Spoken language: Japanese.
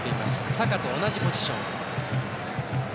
サカと同じポジション。